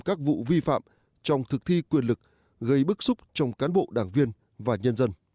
các vụ vi phạm trong thực thi quyền lực gây bức xúc trong cán bộ đảng viên và nhân dân